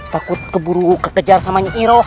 takut keburu kekejar sama nyi iroh